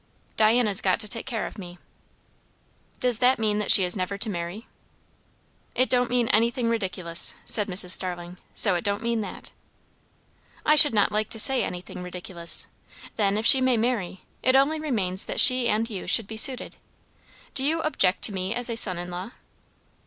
"Diana's got to take care of me." "Does that mean that she is never to marry?" "It don't mean anything ridiculous," said Mrs. Starling; "so it don't mean that." "I should not like to say anything ridiculous. Then, if she may marry, it only remains that she and you should be suited. Do you object to me as a son in law?"